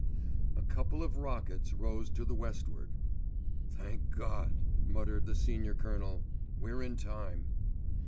A couple of rockets rose to the westward. "Thank God," muttered the Senior Colonel, "we're in time."